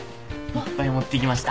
いっぱい持ってきました。